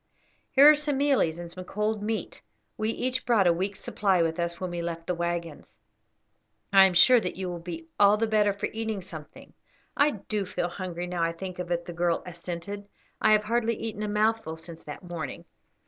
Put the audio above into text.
"Here are some mealies and some cold meat. We each brought a week's supply with us when we left the waggons. I am sure that you will be all the better for eating something." "I do feel very hungry, now I think of it," the girl assented; "I have hardly eaten a mouthful since that morning."